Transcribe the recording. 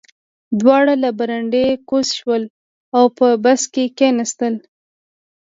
دواړه له برنډې کوز شول او په بس کې کېناستل